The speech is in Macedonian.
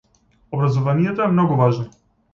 Образованието е многу важно.